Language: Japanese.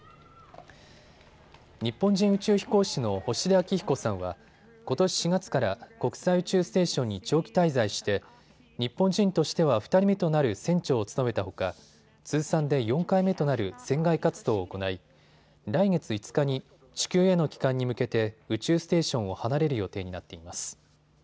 日本人宇宙飛行士の星出彰彦さんはことし４月から国際宇宙ステーションに長期滞在して日本人としては２人目となる船長を務めたほか通算で４回目となる船外活動を行い来月５日に地球への帰還に向けて宇宙ステーションを離れる予定になっています。